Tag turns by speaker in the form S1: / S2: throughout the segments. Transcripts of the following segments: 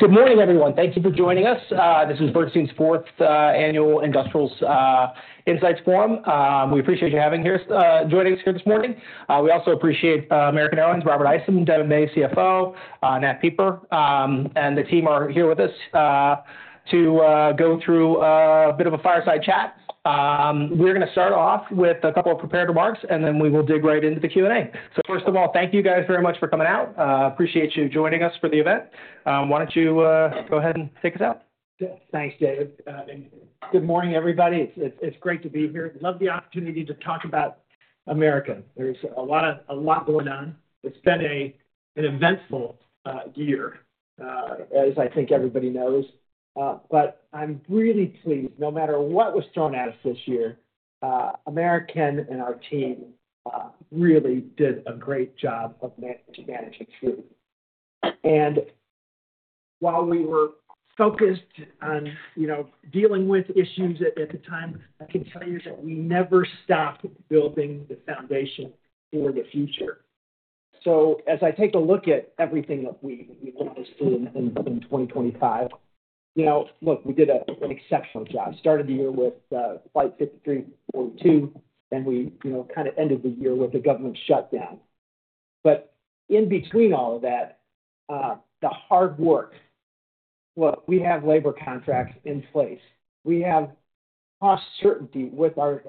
S1: Good morning, everyone. Thank you for joining us. This is Bernstein's fourth annual Industrials Insights Forum. We appreciate you having us here this morning. We also appreciate American Airlines, Robert Isom, Devon May, CFO, Nate Kliethermes, and the team are here with us to go through a bit of a fireside chat. We're going to start off with a couple of prepared remarks, and then we will dig right into the Q&A. So first of all, thank you guys very much for coming out. Appreciate you joining us for the event. Why don't you go ahead and take us out?
S2: Thanks, David. Good morning, everybody. It's great to be here. I love the opportunity to talk about American. There's a lot going on. It's been an eventful year, as I think everybody knows. But I'm really pleased, no matter what was thrown at us this year, American and our team really did a great job of managing through. And while we were focused on dealing with issues at the time, I can tell you that we never stopped building the foundation for the future. So as I take a look at everything that we've done in 2025, look, we did an exceptional job. Started the year with Flight 5302, and we kind of ended the year with the government shutdown. But in between all of that, the hard work, look, we have labor contracts in place. We have cost certainty with our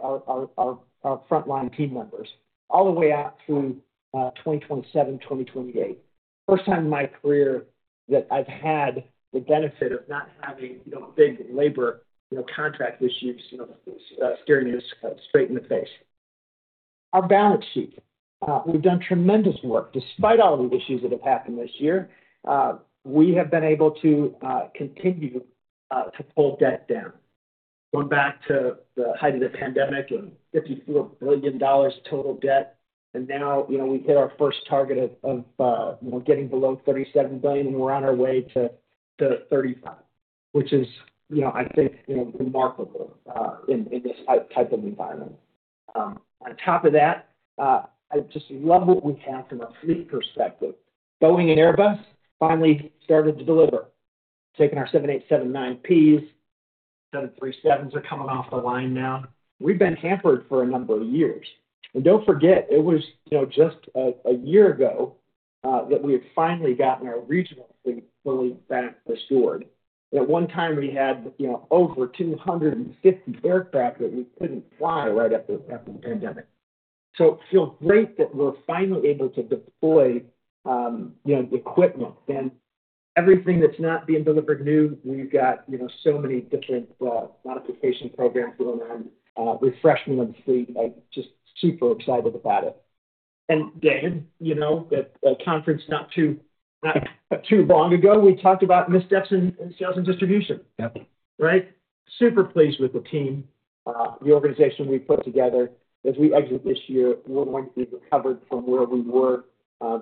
S2: frontline team members all the way out through 2027, 2028. First time in my career that I've had the benefit of not having big labor contract issues staring us straight in the face. Our balance sheet, we've done tremendous work. Despite all the issues that have happened this year, we have been able to continue to pull debt down. Going back to the height of the pandemic and $54 billion total debt, and now we hit our first target of getting below $37 billion, and we're on our way to $35, which is, I think, remarkable in this type of environment. On top of that, I just love what we have from a fleet perspective. Boeing and Airbus finally started to deliver. Taking our 787-9s, 737s are coming off the line now. We've been hampered for a number of years. And don't forget, it was just a year ago that we had finally gotten our regional fleet fully back restored. At one time, we had over 250 aircraft that we couldn't fly right after the pandemic. So it feels great that we're finally able to deploy equipment. And everything that's not being delivered new, we've got so many different modification programs going on, refreshment of the fleet. I'm just super excited about it. And, David, at a conference not too long ago, we talked about missteps in sales and distribution. Right? Super pleased with the team, the organization we put together. As we exit this year, we're going to be recovered from where we were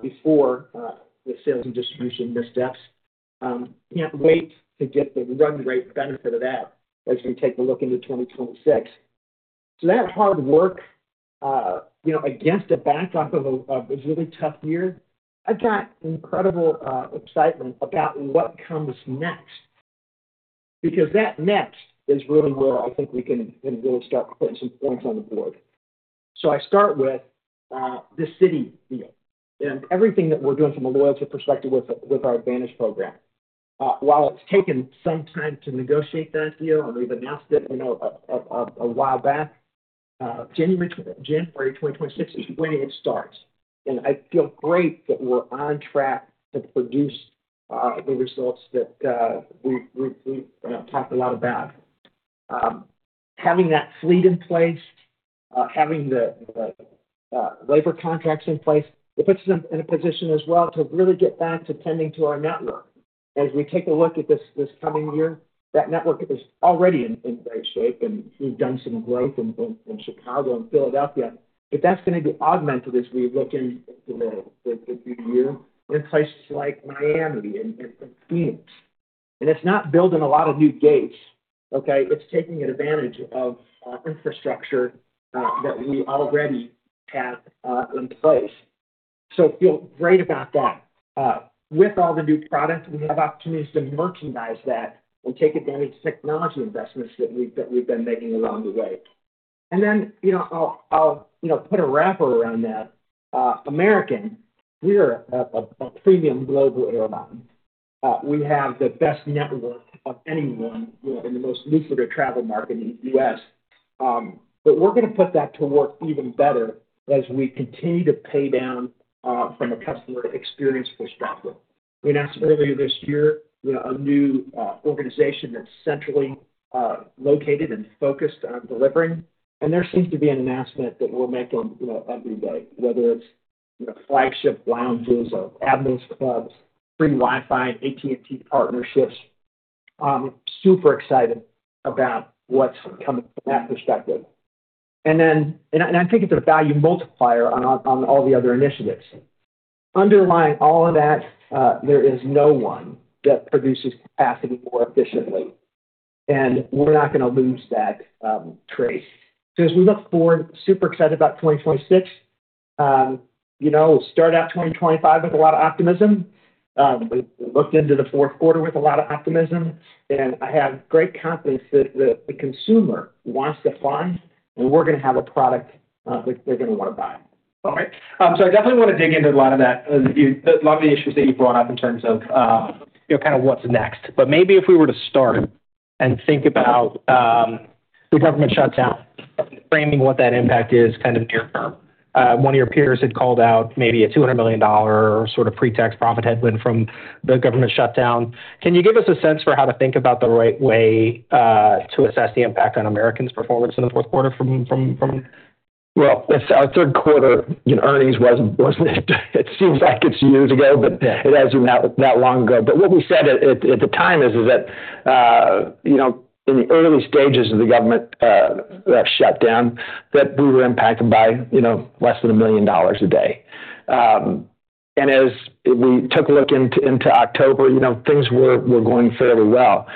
S2: before the sales and distribution missteps. Can't wait to get the run rate benefit of that as we take a look into 2026. So that hard work against a backdrop of a really tough year, I've got incredible excitement about what comes next. Because that next is really where I think we can really start putting some points on the board. So I start with the Citi deal and everything that we're doing from a loyalty perspective with our AAdvantage program. While it's taken some time to negotiate that deal, and we've announced it a while back, January 2026 is when it starts. And I feel great that we're on track to produce the results that we've talked a lot about. Having that fleet in place, having the labor contracts in place, it puts us in a position as well to really get back to tending to our network. As we take a look at this coming year, that network is already in great shape, and we've done some growth in Chicago and Philadelphia. But that's going to be augmented as we look into the new year in places like Miami and Phoenix. And it's not building a lot of new gates, okay? It's taking AAdvantage of infrastructure that we already have in place. So feel great about that. With all the new products, we have opportunities to merchandise that and take AAdvantage of technology investments that we've been making along the way. And then I'll put a wrapper around that. American, we are a premium global airline. We have the best network of anyone in the most lucrative travel market in the U.S. But we're going to put that to work even better as we continue to pay down from a customer experience perspective. We announced earlier this year a new organization that's centrally located and focused on delivering, and there seems to be an announcement that we'll make on every day, whether it's flagship lounges or Admirals Clubs, free Wi-Fi, AT&T partnerships. Super excited about what's coming from that perspective, and I think it's a value multiplier on all the other initiatives. Underlying all of that, there is no one that produces capacity more efficiently, and we're not going to lose that trait, so as we look forward, super excited about 2026. We'll start out 2025 with a lot of optimism. We looked into the fourth quarter with a lot of optimism, and I have great confidence that the consumer wants to fund, and we're going to have a product that they're going to want to buy.
S1: All right. So I definitely want to dig into a lot of that, a lot of the issues that you've brought up in terms of kind of what's next. But maybe if we were to start and think about the government shutdown, framing what that impact is kind of near term. One of your peers had called out maybe a $200 million sort of pre-tax profit headwind from the government shutdown. Can you give us a sense for how to think about the right way to assess the impact on American's performance in the fourth quarter from?
S2: Our third quarter earnings wasn't it? It seems like it's years ago, but it hasn't been that long ago. What we said at the time is that in the early stages of the government shutdown, that we were impacted by less than $1 million a day. As we took a look into October, things were going fairly well.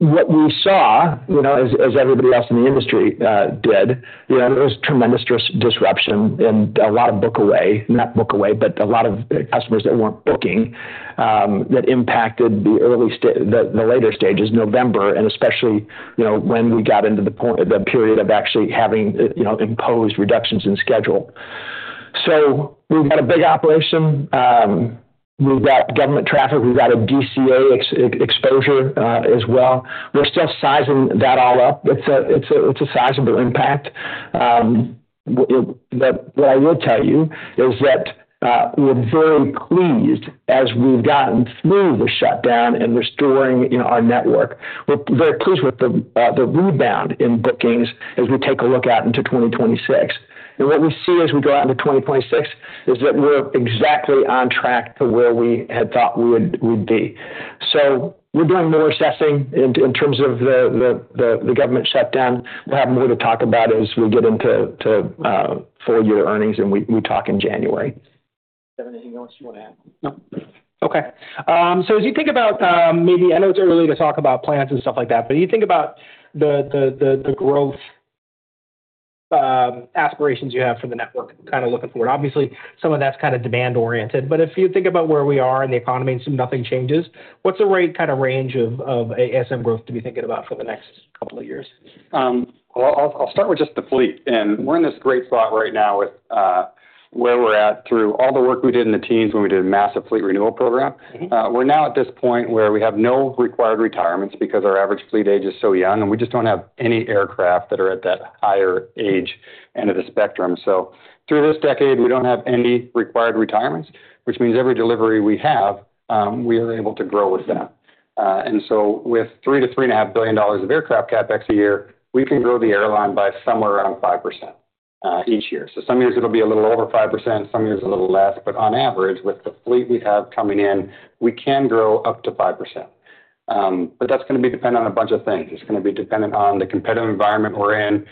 S2: What we saw, as everybody else in the industry did, there was tremendous disruption and a lot of book away, not book away, but a lot of customers that weren't booking that impacted the later stages, November, and especially when we got into the period of actually having imposed reductions in schedule. We've got a big operation. We've got government traffic. We've got a DCA exposure as well. We're still sizing that all up. It's a sizable impact. What I will tell you is that we're very pleased as we've gotten through the shutdown and restoring our network. We're very pleased with the rebound in bookings as we take a look out into 2026, and what we see as we go out into 2026 is that we're exactly on track to where we had thought we'd be, so we're doing more assessing in terms of the government shutdown. We'll have more to talk about as we get into full year earnings and we talk in January.
S1: Devon, anything else you want to add?
S3: No.
S1: Okay. So as you think about maybe I know it's early to talk about plans and stuff like that, but you think about the growth aspirations you have for the network, kind of looking forward. Obviously, some of that's kind of demand-oriented. But if you think about where we are in the economy and nothing changes, what's the right kind of range of ASM growth to be thinking about for the next couple of years?
S3: I'll start with just the fleet. We're in this great spot right now with where we're at through all the work we did in the teens when we did a massive fleet renewal program. We're now at this point where we have no required retirements because our average fleet age is so young, and we just don't have any aircraft that are at that higher age end of the spectrum. Through this decade, we don't have any required retirements, which means every delivery we have, we are able to grow with them. With $3billion-$3.5 billion of aircraft CapEx a year, we can grow the airline by somewhere around 5% each year. Some years it'll be a little over 5%, some years a little less. On average, with the fleet we have coming in, we can grow up to 5%. But that's going to be dependent on a bunch of things. It's going to be dependent on the competitive environment we're in,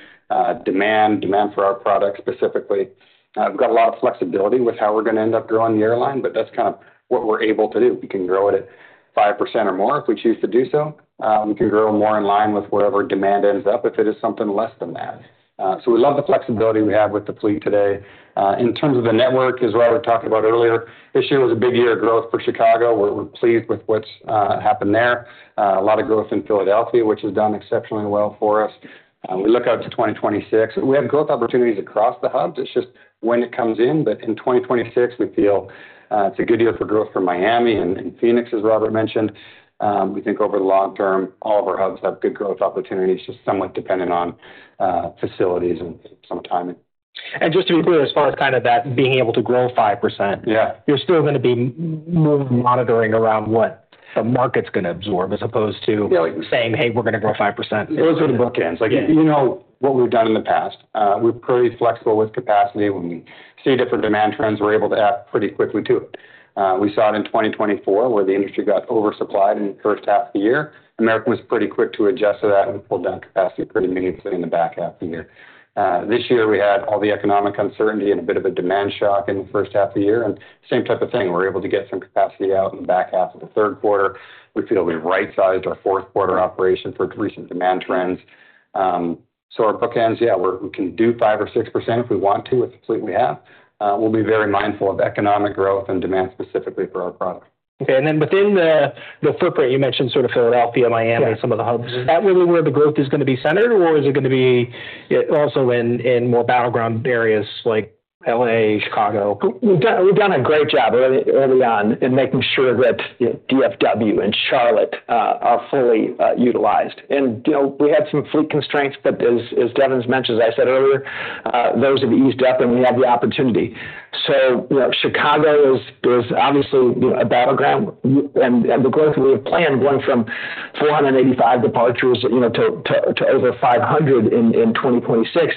S3: demand, demand for our product specifically. We've got a lot of flexibility with how we're going to end up growing the airline, but that's kind of what we're able to do. We can grow at it five% or more if we choose to do so. We can grow more in line with wherever demand ends up if it is something less than that. So we love the flexibility we have with the fleet today. In terms of the network, as Robert talked about earlier, this year was a big year of growth for Chicago. We're pleased with what's happened there. A lot of growth in Philadelphia, which has done exceptionally well for us. We look out to 2026. We have growth opportunities across the hubs. It's just when it comes in. But in 2026, we feel it's a good year for growth for Miami and Phoenix, as Robert mentioned. We think over the long term, all of our hubs have good growth opportunities, just somewhat dependent on facilities and some timing.
S1: And just to be clear, as far as kind of that being able to grow 5%, you're still going to be more monitoring around what the market's going to absorb as opposed to saying, "Hey, we're going to grow 5%.
S3: It was with the bookends. You know what we've done in the past. We're pretty flexible with capacity. When we see different demand trends, we're able to act pretty quickly to it. We saw it in 2024 where the industry got oversupplied in the first half of the year. American was pretty quick to adjust to that and pulled down capacity pretty meaningfully in the back half of the year. This year, we had all the economic uncertainty and a bit of a demand shock in the first half of the year, and same type of thing. We're able to get some capacity out in the back half of the third quarter. We feel we've right-sized our fourth quarter operation for recent demand trends, so our bookends, yeah, we can do 5% or 6% if we want to with the fleet we have. We'll be very mindful of economic growth and demand specifically for our product.
S1: Okay. And then within the footprint, you mentioned sort of Philadelphia, Miami, some of the hubs. Is that really where the growth is going to be centered, or is it going to be also in more battleground areas like LA, Chicago?
S2: We've done a great job early on in making sure that DFW and Charlotte are fully utilized. And we had some fleet constraints, but as Devon's mentioned, as I said earlier, those have eased up and we have the opportunity. So Chicago is obviously a battleground. And the growth we have planned going from 485 departures to over 500 in 2026,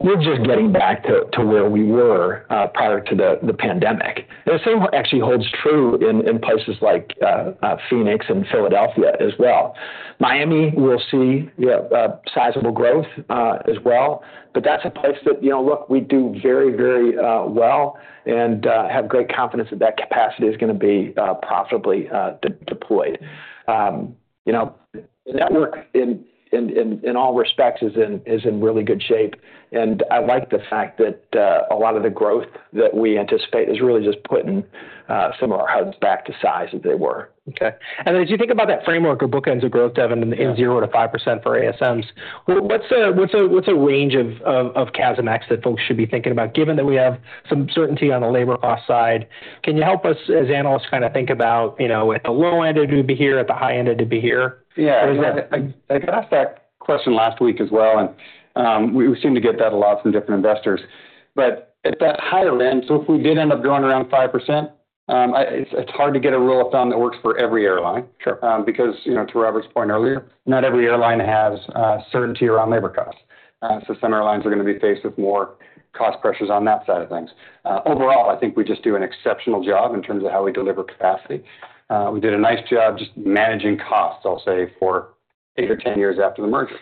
S2: we're just getting back to where we were prior to the pandemic. And the same actually holds true in places like Phoenix and Philadelphia as well. Miami, we'll see sizable growth as well. But that's a place that, look, we do very, very well and have great confidence that that capacity is going to be profitably deployed. The network in all respects is in really good shape. And I like the fact that a lot of the growth that we anticipate is really just putting some of our hubs back to size as they were.
S1: Okay. And then as you think about that framework of bookends of growth, Devon, in 0%-5% for ASMs, what's a range of CASM-ex that folks should be thinking about, given that we have some certainty on the labor cost side? Can you help us as analysts kind of think about at the low end, it'd be here, at the high end, it'd be here?
S3: Yeah. I got asked that question last week as well. And we seem to get that a lot from different investors. But at that higher end, so if we did end up growing around 5%, it's hard to get a rule of thumb that works for every airline. Because to Robert's point earlier, not every airline has certainty around labor costs. So some airlines are going to be faced with more cost pressures on that side of things. Overall, I think we just do an exceptional job in terms of how we deliver capacity. We did a nice job just managing costs, I'll say, for 8 or 10 years after the merger.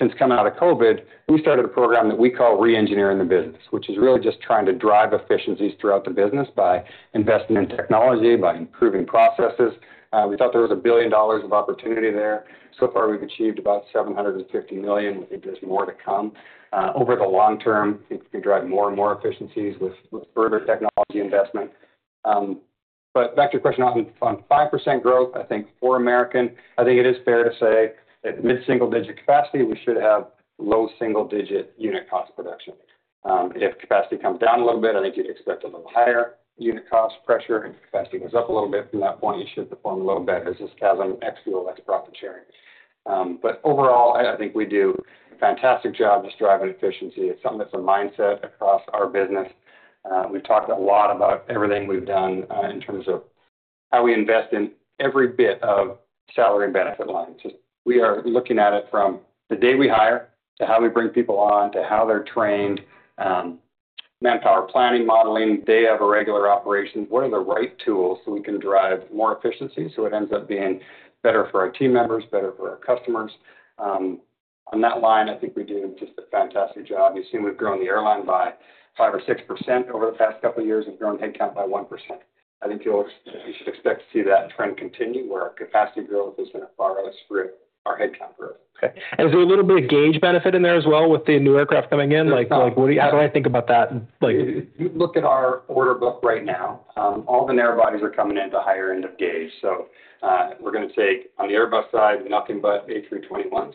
S3: Since coming out of COVID, we started a program that we call re-engineering the business, which is really just trying to drive efficiencies throughout the business by investing in technology, by improving processes. We thought there was $1 billion of opportunity there. So far, we've achieved about $750 million. We think there's more to come. Over the long term, I think we can drive more and more efficiencies with further technology investment. But back to your question on 5% growth, I think for American, I think it is fair to say at mid-single digit capacity, we should have low single digit unit cost production. If capacity comes down a little bit, I think you'd expect a little higher unit cost pressure. If capacity goes up a little bit from that point, you should perform a little better as this CASM-ex fuel ex profit sharing. But overall, I think we do a fantastic job just driving efficiency. It's something that's a mindset across our business. We've talked a lot about everything we've done in terms of how we invest in every bit of salary and benefit line. We are looking at it from the day we hire to how we bring people on to how they're trained, manpower planning, modeling. Day of a regular operation, what are the right tools so we can drive more efficiency so it ends up being better for our team members, better for our customers? On that line, I think we do just a fantastic job. You've seen we've grown the airline by 5% or 6% over the past couple of years. We've grown headcount by 1%. I think you should expect to see that trend continue where our capacity growth is going to borrow us through our headcount growth.
S1: Okay, and is there a little bit of gauge benefit in there as well with the new aircraft coming in? How do I think about that?
S3: If you look at our order book right now, all the narrowbodies are coming into higher end of gauge. So we're going to take, on the Airbus side, nothing but A321s.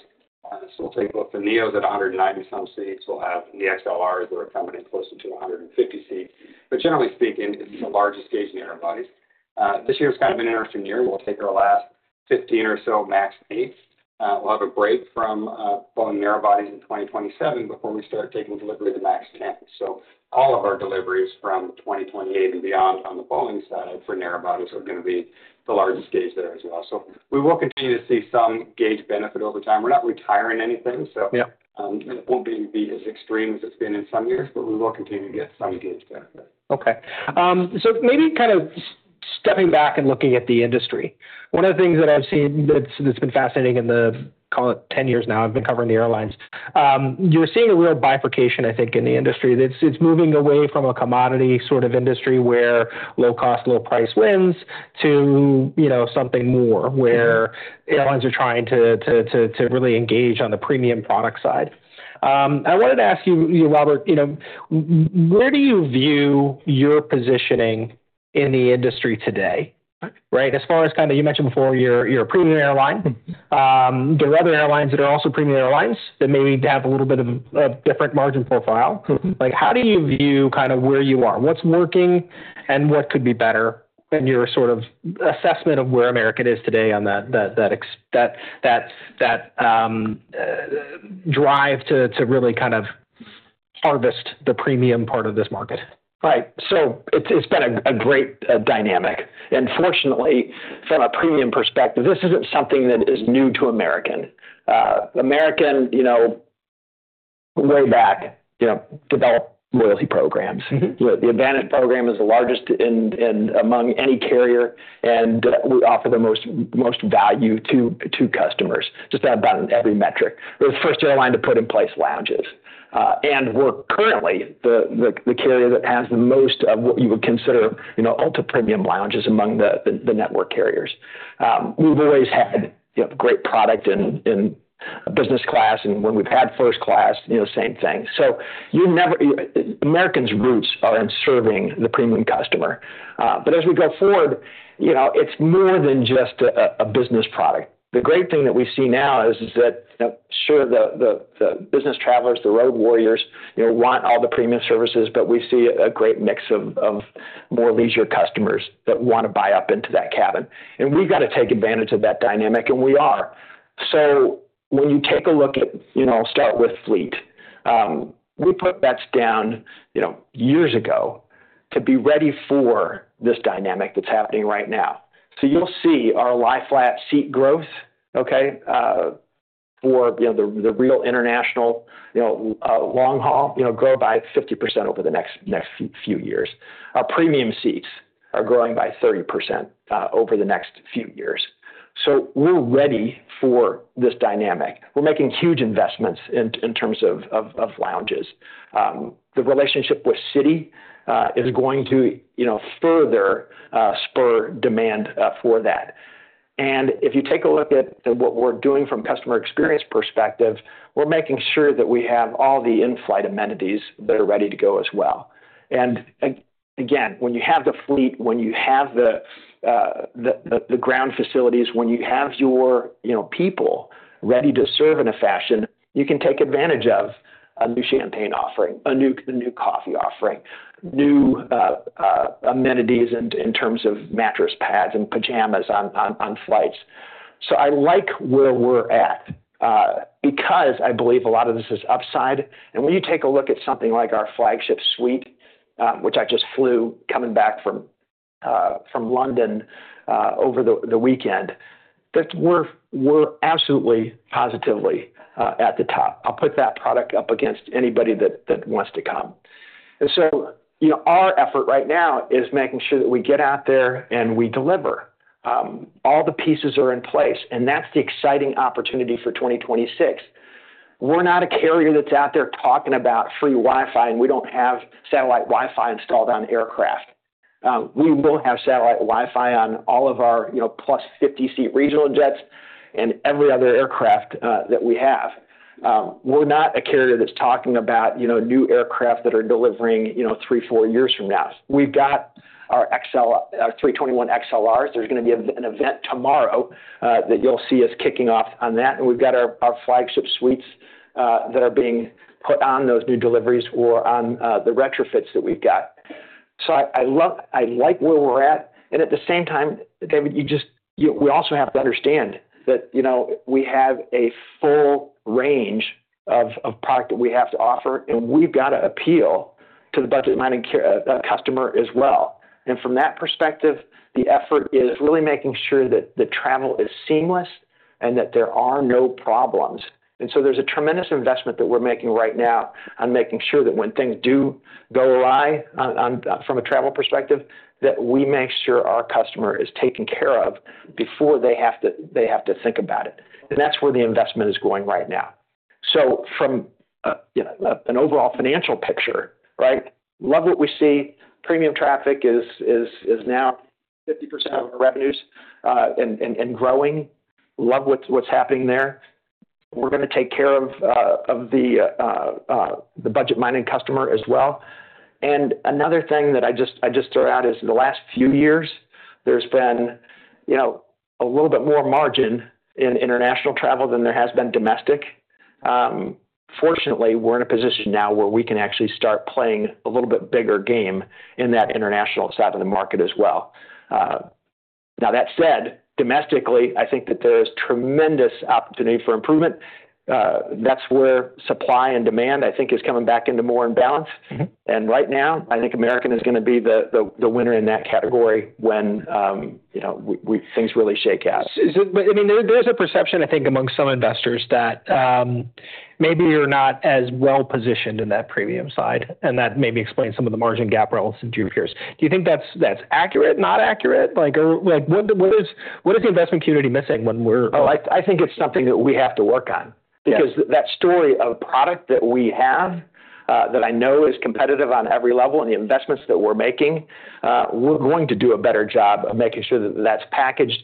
S3: So we'll take both the Neos at 190 some seats. We'll have the XLRs that are coming in closer to 150 seats. But generally speaking, it's the largest gauge in the narrowbodies. This year has kind of been an interesting year. We'll take our last 15 or so, MAX 8. We'll have a break from Boeing narrowbodies in 2027 before we start taking delivery of the MAX 10. So all of our deliveries from 2028 and beyond on the Boeing side for narrow bodies are going to be the largest gauge there as well. So we will continue to see some gauge benefit over time. We're not retiring anything, so it won't be as extreme as it's been in some years, but we will continue to get some gauge benefit.
S1: Okay. So maybe kind of stepping back and looking at the industry, one of the things that I've seen that's been fascinating in the call it 10 years now I've been covering the airlines. You're seeing a real bifurcation, I think, in the industry. It's moving away from a commodity sort of industry where low cost, low price wins to something more where airlines are trying to really engage on the premium product side. I wanted to ask you, Robert, where do you view your positioning in the industry today? Right? As far as kind of you mentioned before, you're a premium airline. There are other airlines that are also premium airlines that maybe have a little bit of a different margin profile. How do you view kind of where you are? What's working and what could be better in your sort of assessment of where America is today on that drive to really kind of harvest the premium part of this market?
S2: Right. So it's been a great dynamic. And fortunately, from a premium perspective, this isn't something that is new to American. American, way back, developed loyalty programs. The AAdvantage program is the largest among any carrier, and we offer the most value to customers just about in every metric. We're the first airline to put in place lounges. And we're currently the carrier that has the most of what you would consider ultra premium lounges among the network carriers. We've always had great product in business class, and when we've had first class, same thing. So American's roots are in serving the premium customer. But as we go forward, it's more than just a business product. The great thing that we see now is that, sure, the business travelers, the road warriors want all the premium services, but we see a great mix of more leisure customers that want to buy up into that cabin, and we've got to take AAdvantage of that dynamic, and we are, so when you take a look at, start with fleet, we put bets down years ago to be ready for this dynamic that's happening right now, so you'll see our lie-flat seat growth, okay, for the real international long-haul grow by 50% over the next few years. Our premium seats are growing by 30% over the next few years, so we're ready for this dynamic. We're making huge investments in terms of lounges. The relationship with Citi is going to further spur demand for that. And if you take a look at what we're doing from a customer experience perspective, we're making sure that we have all the in-flight amenities that are ready to go as well. And again, when you have the fleet, when you have the ground facilities, when you have your people ready to serve in a fashion, you can take AAdvantage of a new champagne offering, a new coffee offering, new amenities in terms of mattress pads and pajamas on flights. So I like where we're at because I believe a lot of this is upside. And when you take a look at something like our Flagship Suite, which I just flew coming back from London over the weekend, we're absolutely positively at the top. I'll put that product up against anybody that wants to come. Our effort right now is making sure that we get out there and we deliver. All the pieces are in place, and that's the exciting opportunity for 2026. We're not a carrier that's out there talking about free Wi-Fi, and we don't have satellite Wi-Fi installed on aircraft. We will have satellite Wi-Fi on all of our plus 50-seat regional jets and every other aircraft that we have. We're not a carrier that's talking about new aircraft that are delivering three, four years from now. We've got our A321XLRs. There's going to be an event tomorrow that you'll see us kicking off on that. We've got our Flagship Suites that are being put on those new deliveries or on the retrofits that we've got. I like where we're at. And at the same time, David, we also have to understand that we have a full range of product that we have to offer, and we've got to appeal to the budget-minded customer as well. And from that perspective, the effort is really making sure that the travel is seamless and that there are no problems. And so there's a tremendous investment that we're making right now on making sure that when things do go awry from a travel perspective, that we make sure our customer is taken care of before they have to think about it. And that's where the investment is going right now. So from an overall financial picture, right, love what we see. Premium traffic is now 50% of our revenues and growing. Love what's happening there. We're going to take care of the budget-minded customer as well. Another thing that I just throw out is, in the last few years, there's been a little bit more margin in international travel than there has been domestic. Fortunately, we're in a position now where we can actually start playing a little bit bigger game in that international side of the market as well. Now, that said, domestically, I think that there is tremendous opportunity for improvement. That's where supply and demand, I think, is coming back into more imbalance. And right now, I think American is going to be the winner in that category when things really shake out.
S1: I mean, there's a perception, I think, among some investors that maybe you're not as well positioned in that premium side, and that maybe explains some of the margin gap relative to your peers. Do you think that's accurate, not accurate? What is the investment community missing when we're?
S3: Oh, I think it's something that we have to work on. Because that story of product that we have that I know is competitive on every level and the investments that we're making, we're going to do a better job of making sure that that's packaged,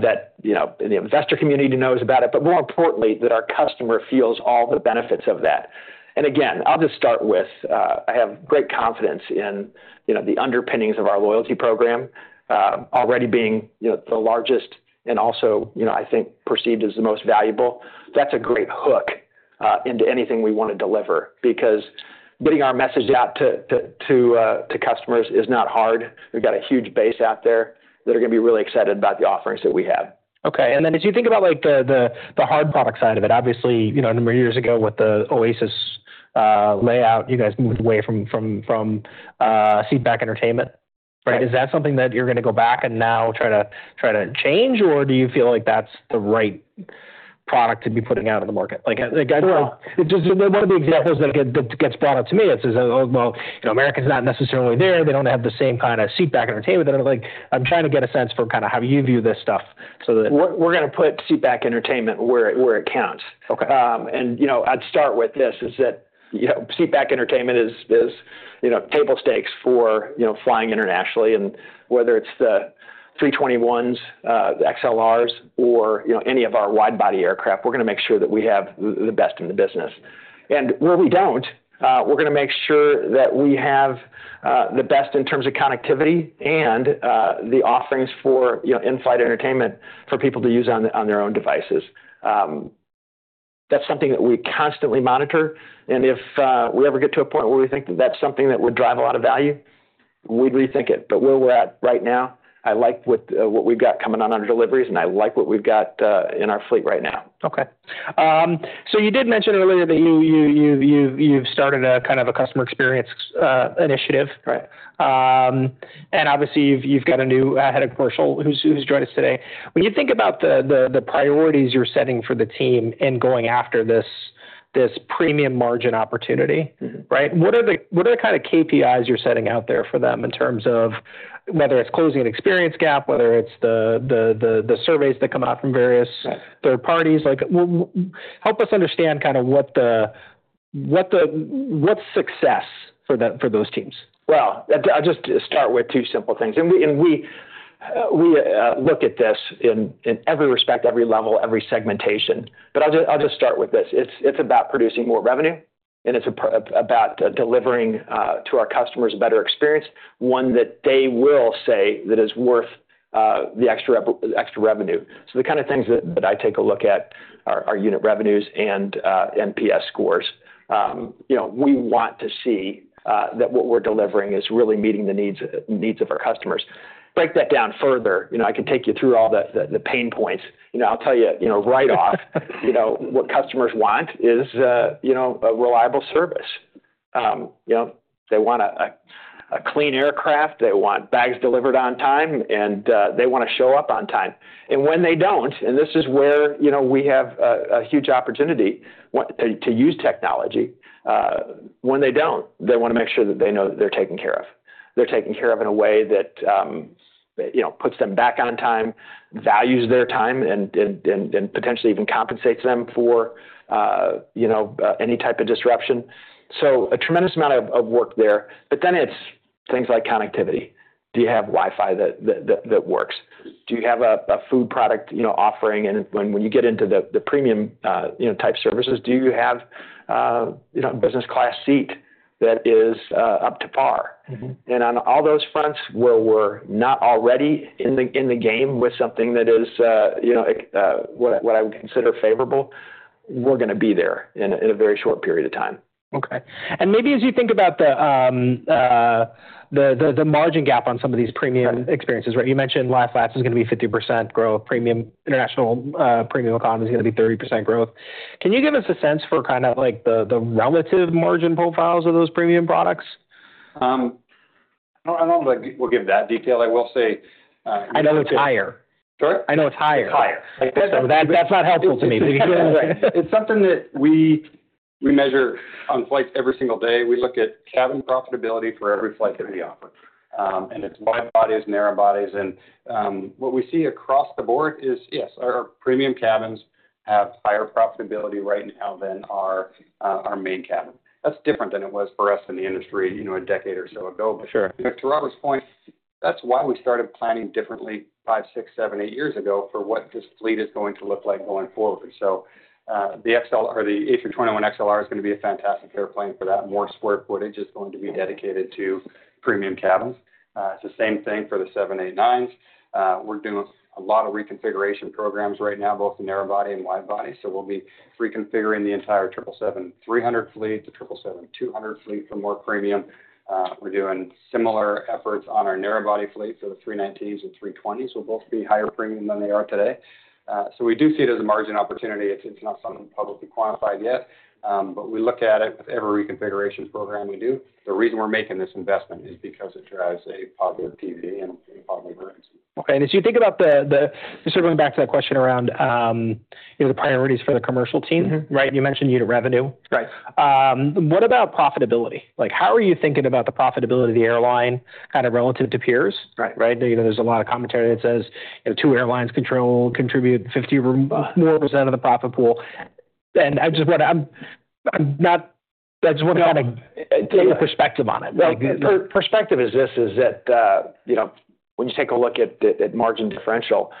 S3: that the investor community knows about it, but more importantly, that our customer feels all the benefits of that. Again, I'll just start with, I have great confidence in the underpinnings of our loyalty program already being the largest and also, I think, perceived as the most valuable. That's a great hook into anything we want to deliver because getting our message out to customers is not hard. We've got a huge base out there that are going to be really excited about the offerings that we have.
S1: Okay. And then as you think about the hard product side of it, obviously, a number of years ago with the Oasis layout, you guys moved away from seatback entertainment, right? Is that something that you're going to go back and now try to change, or do you feel like that's the right product to be putting out in the market? One of the examples that gets brought up to me is, well, American's not necessarily there. They don't have the same kind of seatback entertainment. I'm trying to get a sense for kind of how you view this stuff so that. We're going to put seatback entertainment where it counts, and I'd start with this is that seatback entertainment is table stakes for flying internationally, and whether it's the A321s, the A321XLRs, or any of our widebody aircraft, we're going to make sure that we have the best in the business, and where we don't, we're going to make sure that we have the best in terms of connectivity and the offerings for in-flight entertainment for people to use on their own devices. That's something that we constantly monitor, and if we ever get to a point where we think that that's something that would drive a lot of value, we'd rethink it, but where we're at right now, I like what we've got coming on under deliveries, and I like what we've got in our fleet right now. Okay. So you did mention earlier that you've started a kind of a customer experience initiative, right? And obviously, you've got a new head of commercial who's joined us today. When you think about the priorities you're setting for the team in going after this premium margin opportunity, right, what are the kind of KPIs you're setting out there for them in terms of whether it's closing an experience gap, whether it's the surveys that come out from various third parties? Help us understand kind of what's success for those teams? I'll just start with two simple things. We look at this in every respect, every level, every segmentation. I'll just start with this. It's about producing more revenue, and it's about delivering to our customers a better experience, one that they will say that is worth the extra revenue. The kind of things that I take a look at are unit revenues and NPS scores. We want to see that what we're delivering is really meeting the needs of our customers. Break that down further. I can take you through all the pain points. I'll tell you right off, what customers want is a reliable service. They want a clean aircraft. They want bags delivered on time, and they want to show up on time. And when they don't, and this is where we have a huge opportunity to use technology, when they don't, they want to make sure that they know that they're taken care of. They're taken care of in a way that puts them back on time, values their time, and potentially even compensates them for any type of disruption. So a tremendous amount of work there. But then it's things like connectivity. Do you have Wi-Fi that works? Do you have a food product offering? And when you get into the premium type services, do you have a business class seat that is up to par? And on all those fronts where we're not already in the game with something that is what I would consider favorable, we're going to be there in a very short period of time. Okay. And maybe as you think about the margin gap on some of these premium experiences, right, you mentioned lie-flat is going to be 50% growth, premium international premium economy is going to be 30% growth. Can you give us a sense for kind of the relative margin profiles of those premium products?
S2: I don't think we'll give that detail. I will say.
S1: I know it's higher.
S2: Sorry?
S1: I know it's higher.
S2: It's higher.
S1: That's not helpful to me. It's something that we measure on flights every single day. We look at cabin profitability for every flight that we offer, and it's widebodies and narrowbodies. And what we see across the board is, yes, our premium cabins have higher profitability right now than our main cabin. That's different than it was for us in the industry a decade or so ago, but to Robert's point, that's why we started planning differently five, six, seven, eight years ago for what this fleet is going to look like going forward, so the A321XLR is going to be a fantastic airplane for that. More square footage is going to be dedicated to premium cabins. It's the same thing for the 789s. We're doing a lot of reconfiguration programs right now, both the narrowbody and widebody. So we'll be reconfiguring the entire 777-300 fleet, the 777-200 fleet for more premium. We're doing similar efforts on our narrowbody fleet for the 319s and 320s. They'll both be higher premium than they are today. So we do see it as a margin opportunity. It's not something publicly quantified yet, but we look at it with every reconfiguration program we do. The reason we're making this investment is because it drives a positive NPV and positive earnings. Okay. And as you think about the sort of going back to that question around the priorities for the commercial team, right? You mentioned unit revenue. What about profitability? How are you thinking about the profitability of the airline kind of relative to peers? Right? There's a lot of commentary that says two airlines contribute 50 more % of the profit pool. And I just want to kind of take a perspective on it.
S2: The perspective is this: when you take a look at margin differential,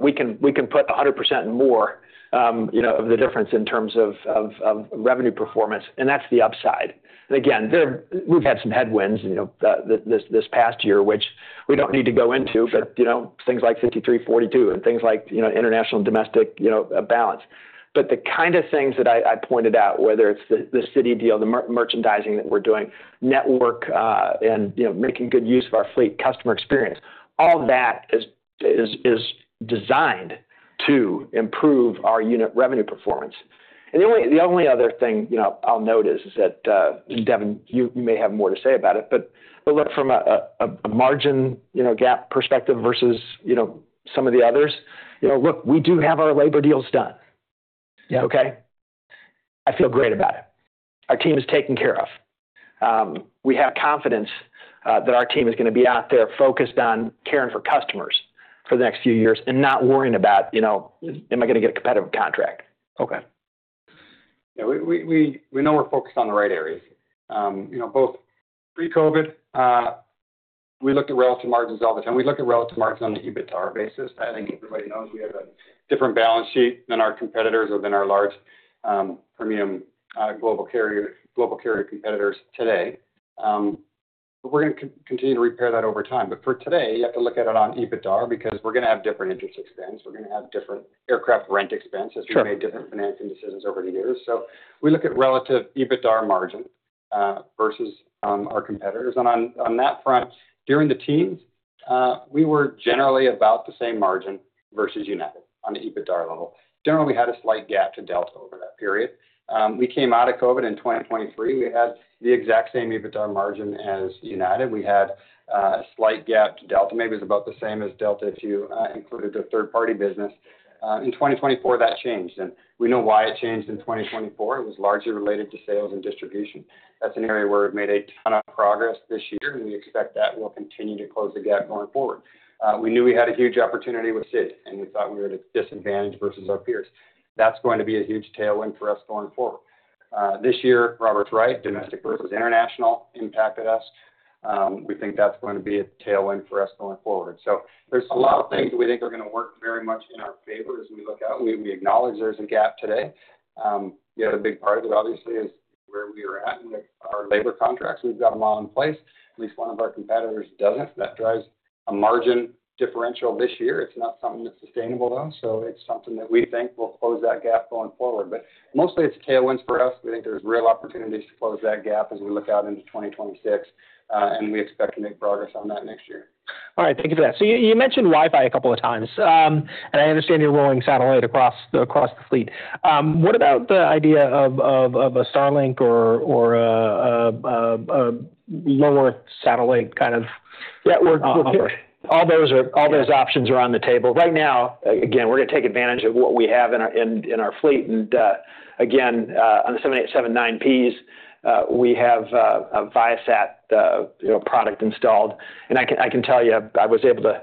S2: we can put 100% more of the difference in terms of revenue performance, and that's the upside. Again, we've had some headwinds this past year, which we don't need to go into, but things like 5342 and things like international and domestic balance. The kind of things that I pointed out, whether it's the Citi deal, the merchandising that we're doing, network, and making good use of our fleet, customer experience, all that is designed to improve our unit revenue performance. The only other thing I'll note is that, Devon, you may have more to say about it, but look, from a margin gap perspective versus some of the others, look, we do have our labor deals done. Okay? I feel great about it. Our team is taken care of. We have confidence that our team is going to be out there focused on caring for customers for the next few years and not worrying about, "Am I going to get a competitive contract?
S1: Okay.
S2: Yeah. We know we're focused on the right areas. Both pre-COVID, we looked at relative margins all the time. We looked at relative margins on the EBITDA basis. I think everybody knows we have a different balance sheet than our competitors or than our large premium global carrier competitors today. But we're going to continue to repair that over time. But for today, you have to look at it on EBITDA because we're going to have different interest expense. We're going to have different aircraft rent expenses as we've made different financing decisions over the years. So we look at relative EBITDA margin versus our competitors. And on that front, during the teens, we were generally about the same margin versus United on the EBITDA level. Generally, we had a slight gap to Delta over that period. We came out of COVID in 2023. We had the exact same EBITDA margin as United. We had a slight gap to Delta. Maybe it was about the same as Delta if you included the third-party business. In 2024, that changed, and we know why it changed in 2024. It was largely related to sales and distribution. That's an area where we've made a ton of progress this year, and we expect that we'll continue to close the gap going forward. We knew we had a huge opportunity with S&D, and we thought we were at a disadvantage versus our peers. That's going to be a huge tailwind for us going forward. This year, Robert's right, domestic versus international, impacted us. We think that's going to be a tailwind for us going forward, so there's a lot of things that we think are going to work very much in our favor as we look out. We acknowledge there's a gap today. The other big part of it, obviously, is where we are at with our labor contracts. We've got them all in place. At least one of our competitors doesn't. That drives a margin differential this year. It's not something that's sustainable, though, so it's something that we think will close that gap going forward, but mostly, it's tailwinds for us. We think there's real opportunities to close that gap as we look out into 2026, and we expect to make progress on that next year.
S1: All right. Thank you for that. So you mentioned Wi-Fi a couple of times, and I understand you're rolling satellite across the fleet. What about the idea of a Starlink or a lower satellite kind of network?
S2: All those options are on the table. Right now, again, we're going to take AAdvantage of what we have in our fleet. And again, on the 787-9s, we have a Viasat product installed. And I can tell you, I was able to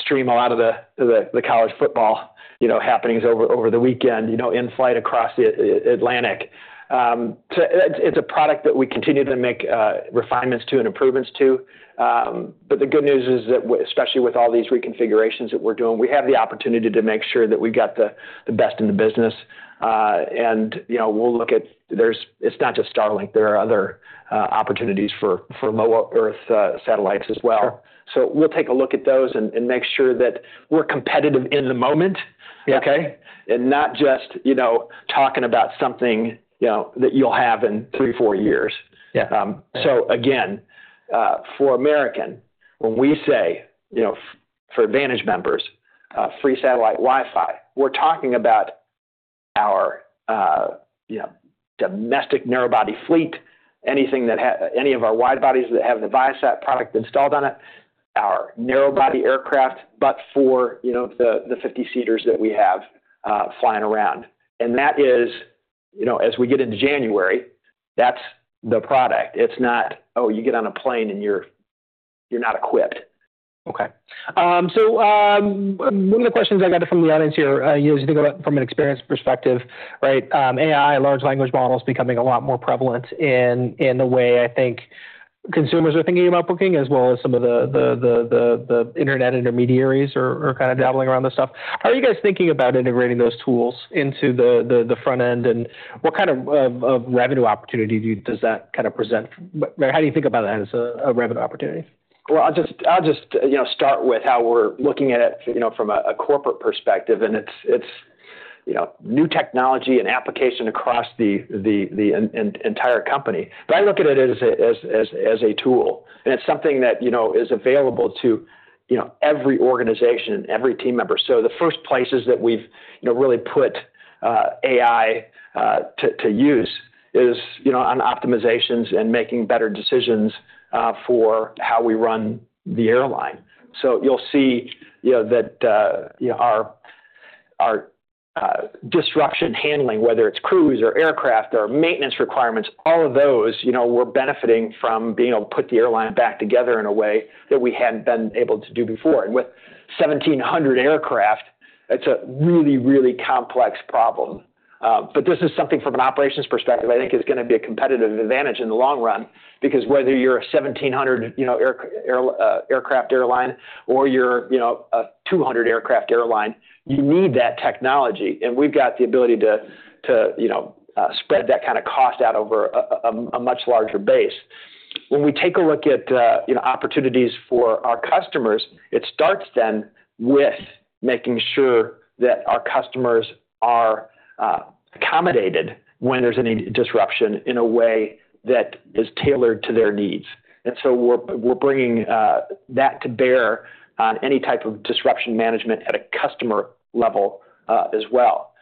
S2: stream a lot of the college football happenings over the weekend in flight across the Atlantic. So it's a product that we continue to make refinements to and improvements to. But the good news is that, especially with all these reconfigurations that we're doing, we have the opportunity to make sure that we've got the best in the business. And we'll look at it. It's not just Starlink. There are other opportunities for low Earth satellites as well. So we'll take a look at those and make sure that we're competitive in the moment, okay, and not just talking about something that you'll have in three, four years. So again, for American, when we say for AAdvantage members, free satellite Wi-Fi, we're talking about our domestic narrowbody fleet, any of our widebodies that have the Viasat product installed on it, our narrowbody aircraft, but for the 50-seaters that we have flying around, and that is, as we get into January, that's the product. It's not, "Oh, you get on a plane and you're not equipped.
S1: Okay, so one of the questions I got from the audience here is, from an experience perspective, right, AI, large language models becoming a lot more prevalent in the way I think consumers are thinking about booking, as well as some of the internet intermediaries are kind of dabbling around this stuff. How are you guys thinking about integrating those tools into the front end, and what kind of revenue opportunity does that kind of present? How do you think about that as a revenue opportunity?
S2: I'll just start with how we're looking at it from a corporate perspective. It's new technology and application across the entire company. I look at it as a tool, and it's something that is available to every organization and every team member. The first places that we've really put AI to use is on optimizations and making better decisions for how we run the airline. You'll see that our disruption handling, whether it's crews or aircraft or maintenance requirements, all of those, we're benefiting from being able to put the airline back together in a way that we hadn't been able to do before. With 1,700 aircraft, it's a really, really complex problem. But this is something from an operations perspective, I think, is going to be a competitive AAdvantage in the long run because whether you're a 1,700 aircraft airline or you're a 200 aircraft airline, you need that technology. And we've got the ability to spread that kind of cost out over a much larger base. When we take a look at opportunities for our customers, it starts then with making sure that our customers are accommodated when there's any disruption in a way that is tailored to their needs. And so we're bringing that to bear on any type of disruption management at a customer level as well.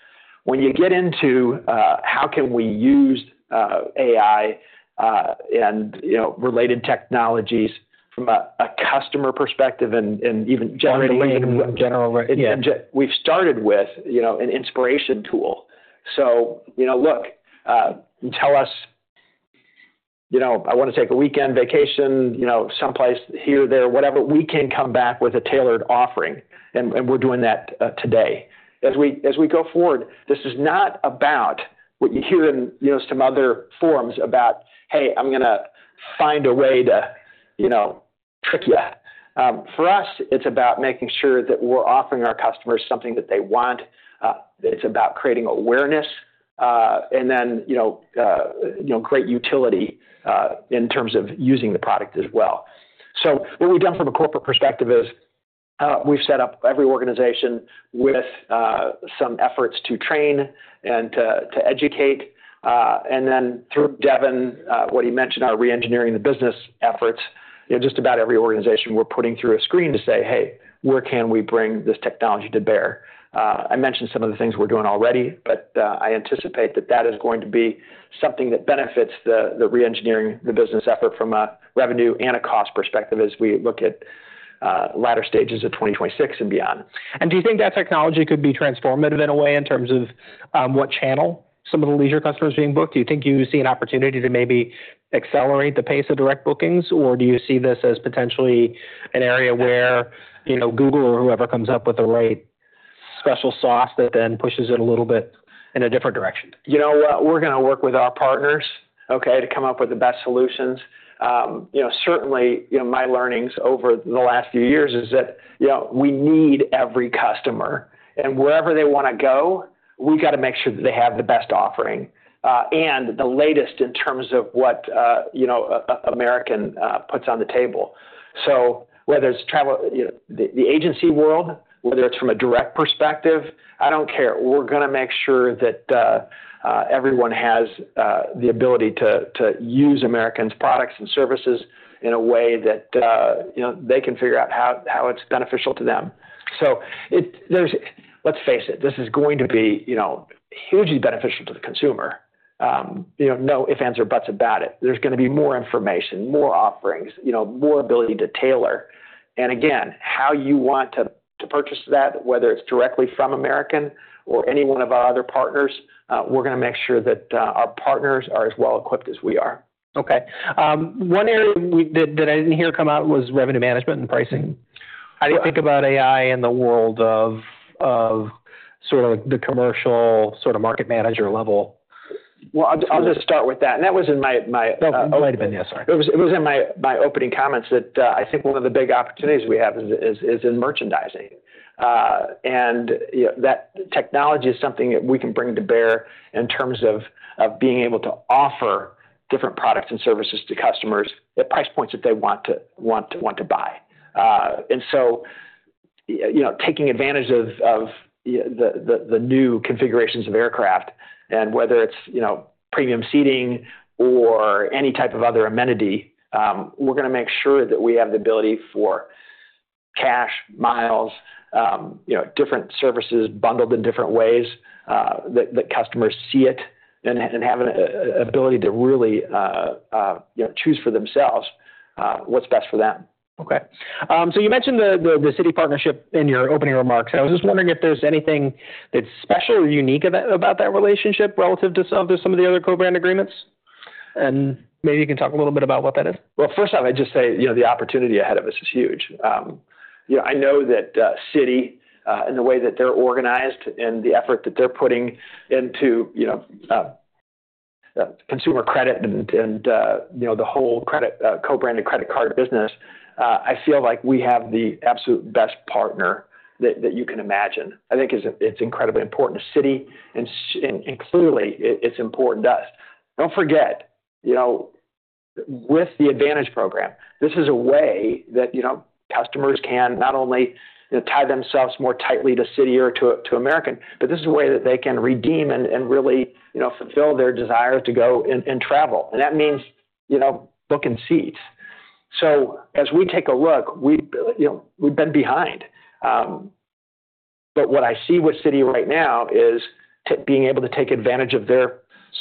S2: When you get into how can we use AI and related technologies from a customer perspective and even generally?
S1: In general.
S2: Yeah. We've started with an inspiration tool. So look, tell us, "I want to take a weekend vacation someplace here, there, whatever. We can come back with a tailored offering." And we're doing that today. As we go forward, this is not about what you hear in some other forums about, "Hey, I'm going to find a way to trick you." For us, it's about making sure that we're offering our customers something that they want. It's about creating awareness and then great utility in terms of using the product as well. So what we've done from a corporate perspective is we've set up every organization with some efforts to train and to educate. And then, through Devon, what he mentioned, our re-engineering the business efforts, just about every organization, we're putting through a screen to say, "Hey, where can we bring this technology to bear?" I mentioned some of the things we're doing already, but I anticipate that that is going to be something that benefits the re-engineering, the business effort from a revenue and a cost perspective as we look at latter stages of 2026 and beyond.
S1: Do you think that technology could be transformative in a way in terms of what channel some of the leisure customers are being booked? Do you think you see an opportunity to maybe accelerate the pace of direct bookings, or do you see this as potentially an area where Google or whoever comes up with the right special sauce that then pushes it a little bit in a different direction?
S2: You know what? We're going to work with our partners, okay, to come up with the best solutions. Certainly, my learnings over the last few years is that we need every customer, and wherever they want to go, we've got to make sure that they have the best offering and the latest in terms of what American puts on the table, so whether it's the agency world, whether it's from a direct perspective, I don't care. We're going to make sure that everyone has the ability to use American's products and services in a way that they can figure out how it's beneficial to them, so let's face it, this is going to be hugely beneficial to the consumer. No ifs, ands, or buts about it. There's going to be more information, more offerings, more ability to tailor. And again, how you want to purchase that, whether it's directly from American or any one of our other partners, we're going to make sure that our partners are as well equipped as we are.
S1: Okay. One area that I didn't hear come out was revenue management and pricing. How do you think about AI in the world of sort of the commercial sort of market manager level?
S3: I'll just start with that. That was in my.
S1: No, go ahead, Devon. Yeah, sorry.
S3: It was in my opening comments that I think one of the big opportunities we have is in merchandising. And that technology is something that we can bring to bear in terms of being able to offer different products and services to customers at price points that they want to buy. And so taking advantage of the new configurations of aircraft and whether it's premium seating or any type of other amenity, we're going to make sure that we have the ability for cash, miles, different services bundled in different ways that customers see it and have an ability to really choose for themselves what's best for them.
S1: Okay. So you mentioned the Citi partnership in your opening remarks. I was just wondering if there's anything that's special or unique about that relationship relative to some of the other co-brand agreements. And maybe you can talk a little bit about what that is.
S2: Well, first off, I'd just say the opportunity ahead of us is huge. I know that Citi and the way that they're organized and the effort that they're putting into consumer credit and the whole co-branded credit card business. I feel like we have the absolute best partner that you can imagine. I think it's incredibly important to Citi. And clearly, it's important to us. Don't forget, with the AAdvantage program, this is a way that customers can not only tie themselves more tightly to Citi or to American, but this is a way that they can redeem and really fulfill their desire to go and travel. And that means booking seats. So as we take a look, we've been behind. But what I see with Citi right now is being able to take advantage of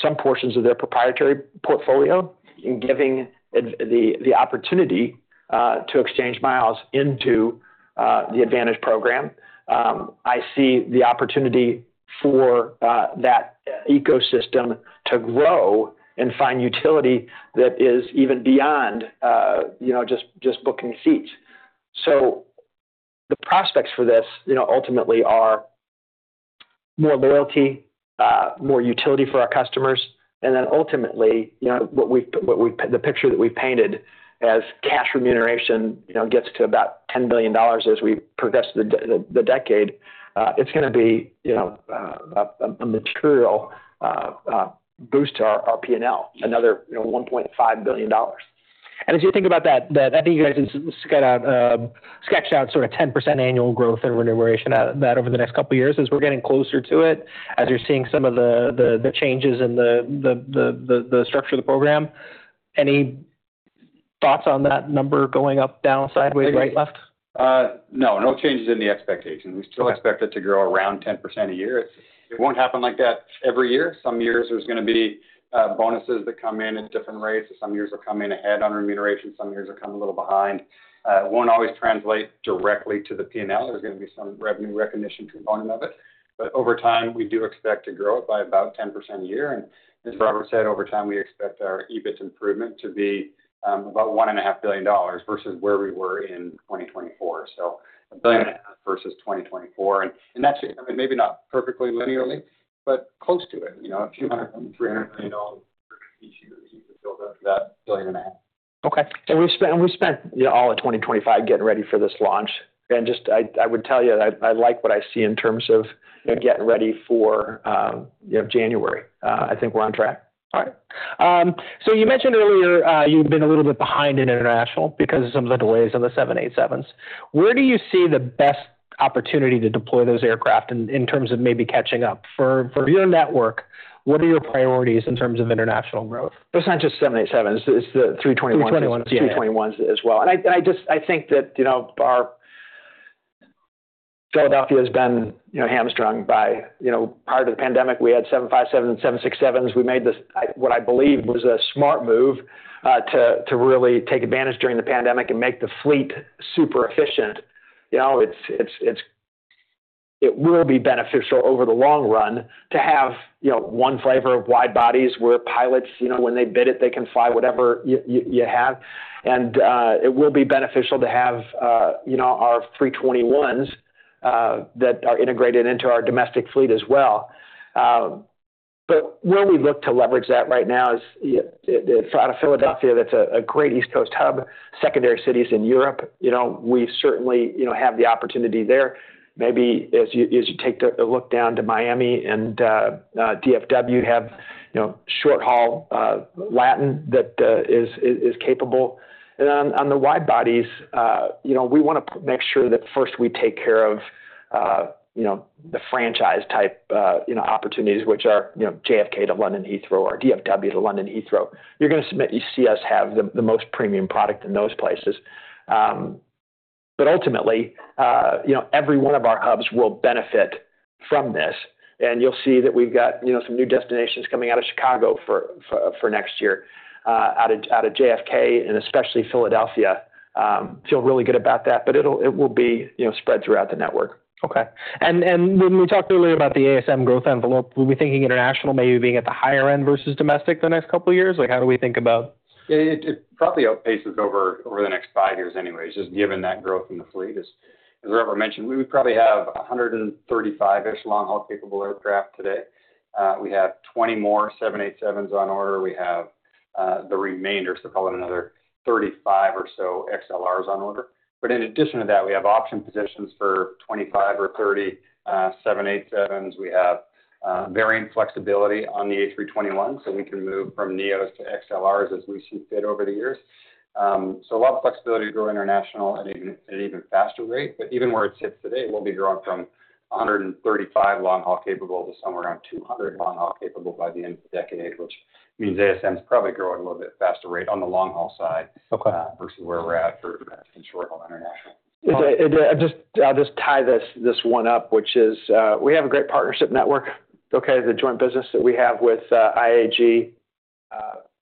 S2: some portions of their proprietary portfolio and giving the opportunity to exchange miles into the AAdvantage program. I see the opportunity for that ecosystem to grow and find utility that is even beyond just booking seats. So the prospects for this ultimately are more loyalty, more utility for our customers. And then ultimately, the picture that we've painted as cash remuneration gets to about $10 billion as we progress the decade, it's going to be a material boost to our P&L, another $1.5 billion.
S1: And as you think about that, I think you guys have sketched out sort of 10% annual growth and remuneration over the next couple of years as we're getting closer to it, as you're seeing some of the changes in the structure of the program. Any thoughts on that number going up, down, sideways, right, left?
S2: No. No changes in the expectations. We still expect it to grow around 10% a year. It won't happen like that every year. Some years there's going to be bonuses that come in at different rates. Some years will come in ahead on remuneration. Some years will come a little behind. It won't always translate directly to the P&L. There's going to be some revenue recognition component of it, but over time, we do expect to grow it by about 10% a year, and as Robert said, over time, we expect our EBIT improvement to be about $1.5 billion versus where we were in 2024, so a billion and a half versus 2024, and that's maybe not perfectly linearly, but close to it, a few hundred, $300 million each year to build up to that billion and a half.
S1: Okay. And we spent all of 2025 getting ready for this launch. And just I would tell you, I like what I see in terms of getting ready for January. I think we're on track. All right. So you mentioned earlier you've been a little bit behind in international because of some of the delays on the 787s. Where do you see the best opportunity to deploy those aircraft in terms of maybe catching up? For your network, what are your priorities in terms of international growth?
S2: It's not just 787s. It's the 321s.
S1: 321s. Yeah.
S2: 321s as well, and I think that Philadelphia has been hamstrung by, prior to the pandemic, 757s and 767s. We made what I believe was a smart move to really take advantage during the pandemic and make the fleet super efficient. It will be beneficial over the long run to have one flavor of widebodies where pilots, when they bid it, they can fly whatever you have, and it will be beneficial to have our 321s that are integrated into our domestic fleet as well, but where we look to leverage that right now is out of Philadelphia, that's a great East Coast hub, secondary cities in Europe. We certainly have the opportunity there. Maybe as you take a look down to Miami and DFW, have short-haul Latin that is capable. And on the wide bodies, we want to make sure that first we take care of the franchise-type opportunities, which are JFK to London Heathrow or DFW to London Heathrow. You're going to see us have the most premium product in those places. But ultimately, every one of our hubs will benefit from this. And you'll see that we've got some new destinations coming out of Chicago for next year out of JFK and especially Philadelphia. Feel really good about that, but it will be spread throughout the network.
S1: Okay. And when we talked earlier about the ASM growth envelope, were we thinking international maybe being at the higher end versus domestic the next couple of years? How do we think about?
S3: It probably outpaces over the next five years anyway, just given that growth in the fleet. As Robert mentioned, we probably have 135-ish long-haul capable aircraft today. We have 20 more 787s on order. We have the remainder, so call it another 35 or so XLRs on order. But in addition to that, we have option positions for 25 or 30 787s. We have varying flexibility on the A321. So we can move from Neos to XLRs as we see fit over the years. So a lot of flexibility to grow international at an even faster rate. But even where it sits today, we'll be growing from 135 long-haul capable to somewhere around 200 long-haul capable by the end of the decade, which means ASM is probably growing a little bit faster rate on the long-haul side versus where we're at for short-haul international.
S1: I'll just tie this one up, which is we have a great partnership network, okay, the joint business that we have with IAG,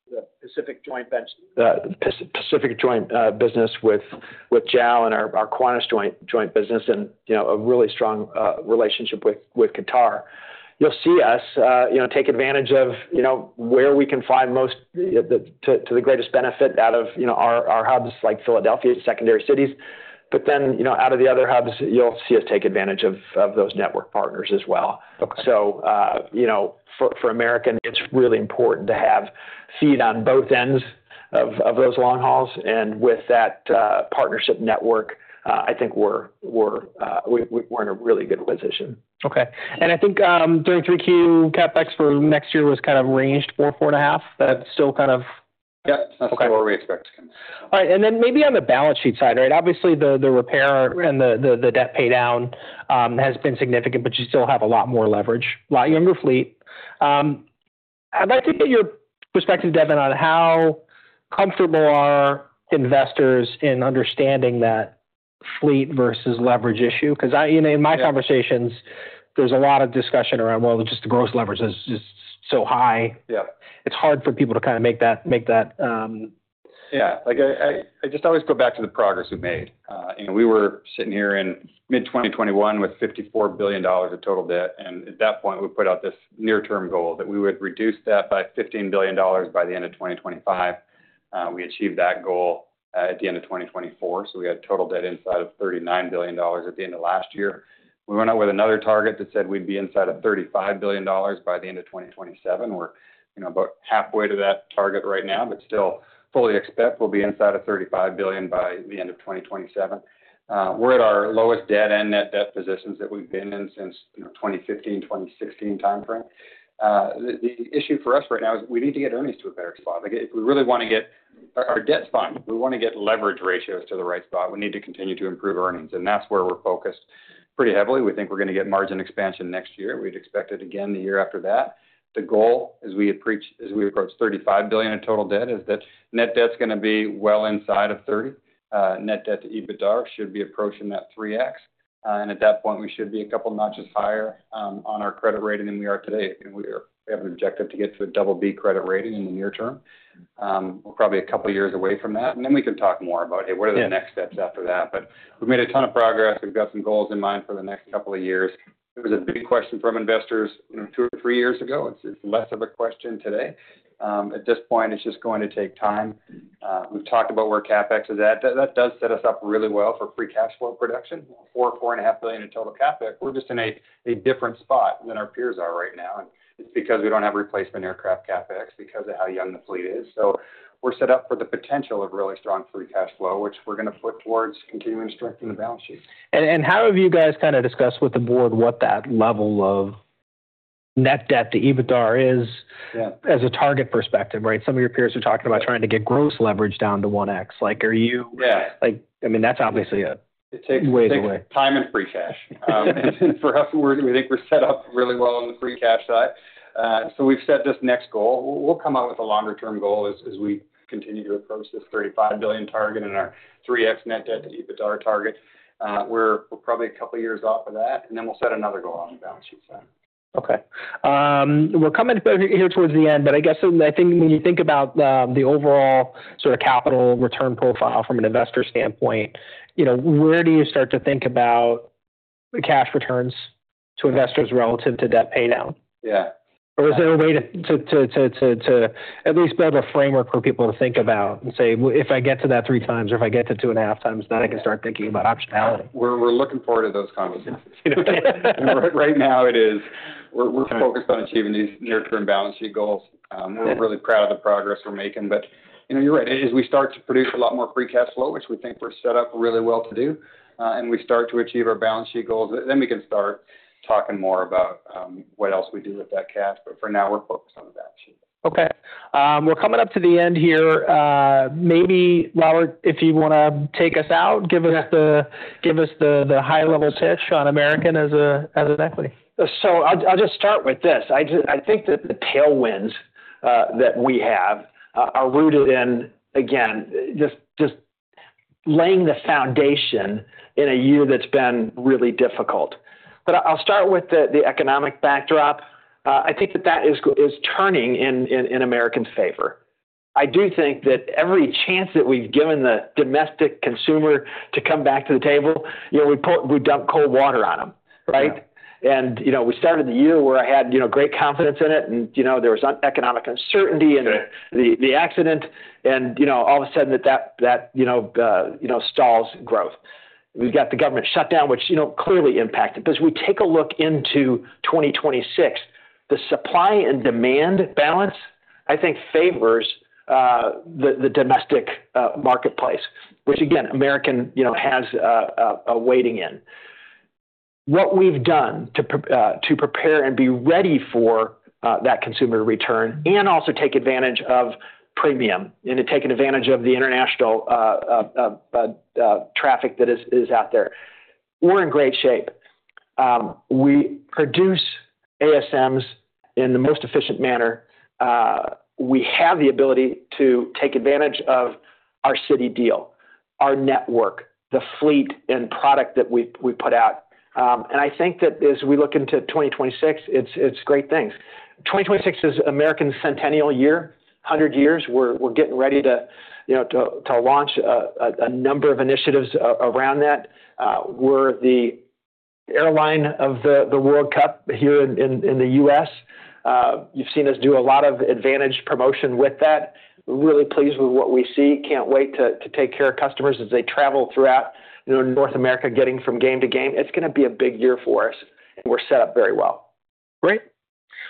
S1: the Pacific Joint Business with JAL and our Qantas Joint Business, and a really strong relationship with Qatar. You'll see us take advantage of where we can find most to the greatest benefit out of our hubs like Philadelphia and secondary cities. But then out of the other hubs, you'll see us take advantage of those network partners as well. So for American, it's really important to have feed on both ends of those long-hauls. And with that partnership network, I think we're in a really good position. Okay. And I think during 3Q CapEx for next year was kind of ranged $4 billion-$4.5 billion. That's still kind of.
S3: Yep. That's where we expect to come.
S1: All right. And then maybe on the balance sheet side, right, obviously the repair and the debt pay down has been significant, but you still have a lot more leverage, a lot younger fleet. I'd like to get your perspective, Devon, on how comfortable are investors in understanding that fleet versus leverage issue? Because in my conversations, there's a lot of discussion around, well, just the gross leverage is so high. It's hard for people to kind of make that.
S3: Yeah. I just always go back to the progress we made. We were sitting here in mid-2021 with $54 billion of total debt, and at that point, we put out this near-term goal that we would reduce that by $15 billion by the end of 2025. We achieved that goal at the end of 2024, so we had total debt inside of $39 billion at the end of last year. We went out with another target that said we'd be inside of $35 billion by the end of 2027. We're about halfway to that target right now, but still fully expect we'll be inside of $35 billion by the end of 2027. We're at our lowest debt and net debt positions that we've been in since 2015, 2016 timeframe. The issue for us right now is we need to get earnings to a better spot. If we really want to get our debt is fine, we want to get leverage ratios to the right spot. We need to continue to improve earnings, and that's where we're focused pretty heavily. We think we're going to get margin expansion next year. We'd expect it again the year after that. The goal as we approach $35 billion in total debt is that Net Debt is going to be well inside of 3.0. Net Debt to EBITDA should be approaching that 3X, and at that point, we should be a couple notches higher on our credit rating than we are today. We have an objective to get to a double-B credit rating in the near term. We're probably a couple of years away from that, and then we can talk more about, hey, what are the next steps after that, but we've made a ton of progress. We've got some goals in mind for the next couple of years. It was a big question from investors two or three years ago. It's less of a question today. At this point, it's just going to take time. We've talked about where CapEx is at. That does set us up really well for free cash flow production. $4 billion-$4.5 billion in total CapEx, we're just in a different spot than our peers are right now, and it's because we don't have replacement aircraft CapEx because of how young the fleet is, so we're set up for the potential of really strong free cash flow, which we're going to put towards continuing to strengthen the balance sheet.
S1: How have you guys kind of discussed with the board what that level of net debt to EBITDA is as a target perspective, right? Some of your peers are talking about trying to get gross leverage down to 1X. Are you? I mean, that's obviously a ways away.
S3: It takes time and free cash. For us, we think we're set up really well on the free cash side. So we've set this next goal. We'll come out with a longer-term goal as we continue to approach this $35 billion target and our 3X Net Debt to EBITDA target. We're probably a couple of years off of that. And then we'll set another goal on the balance sheet side.
S1: Okay. We're coming here towards the end, but I guess when you think about the overall sort of capital return profile from an investor standpoint, where do you start to think about the cash returns to investors relative to debt pay down?
S3: Yeah.
S1: or is there a way to at least build a framework for people to think about and say, "If I get to that three times or if I get to two and a half times, then I can start thinking about optionality"?
S3: We're looking forward to those conversations. Right now, we're focused on achieving these near-term balance sheet goals. We're really proud of the progress we're making. But you're right. As we start to produce a lot more free cash flow, which we think we're set up really well to do, and we start to achieve our balance sheet goals, then we can start talking more about what else we do with that cash. But for now, we're focused on the balance sheet.
S1: Okay. We're coming up to the end here. Maybe, Robert, if you want to take us out, give us the high-level pitch on American as an equity.
S2: I'll just start with this. I think that the tailwinds that we have are rooted in, again, just laying the foundation in a year that's been really difficult. But I'll start with the economic backdrop. I think that that is turning in American's favor. I do think that every chance that we've given the domestic consumer to come back to the table, we dump cold water on them, right? And we started the year where I had great confidence in it, and there was economic uncertainty and the accident, and all of a sudden, that stalls growth. We've got the government shutdown, which clearly impacted. But as we take a look into 2026, the supply and demand balance, I think, favors the domestic marketplace, which, again, American has a weighting in. What we've done to prepare and be ready for that consumer return and also take advantage of premium and taking advantage of the international traffic that is out there, we're in great shape. We produce ASMs in the most efficient manner. We have the ability to take advantage of our Citi deal, our network, the fleet, and product that we put out. And I think that as we look into 2026, it's great things. 2026 is American's centennial year, 100 years. We're getting ready to launch a number of initiatives around that. We're the airline of the World Cup here in the U.S. You've seen us do a lot of advantage promotion with that. We're really pleased with what we see. Can't wait to take care of customers as they travel throughout North America, getting from game to game. It's going to be a big year for us, and we're set up very well.
S1: Great.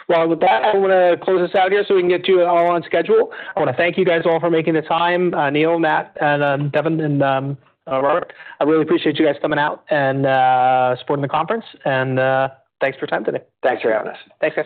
S1: Well, with that, I want to close this out here so we can get you all on schedule. I want to thank you guys all for making the time, Neil, Matt, and Devon and Robert. I really appreciate you guys coming out and supporting the conference. And thanks for your time today.
S2: Thanks for having us.
S1: Thanks.